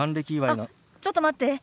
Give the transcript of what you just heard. あっちょっと待って。